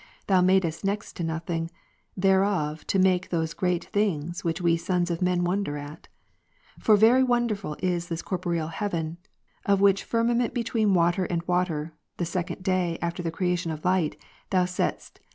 Thou madest next to nothing, thereof to make those great things, Avhich we sons of men wonder at. For very wonderful is this corporeal heaven ; of which firmament between water and loater, the second day, after the creation of light. Thou saidst.